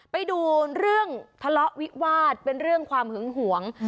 ไปดูเรื่องทะเลาะวิวาสเป็นเรื่องความหึงหวง